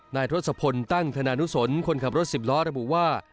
ทศพลตั้งธนานุสนคนขับรถสิบล้อระบุว่า